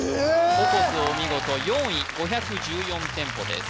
ココスお見事４位５１４店舗です